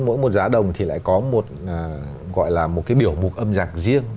mỗi một giá đồng thì lại có một gọi là một cái biểu mục âm nhạc riêng